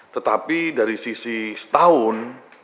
tetapi dari sisi setahun